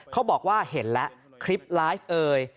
เขาบอกว่าเห็นแล้วคลิปไลฟ์เอ่ย